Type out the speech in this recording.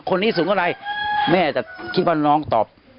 คนนี้สูงอะไรแม่จะคิดว่าน้องตอบ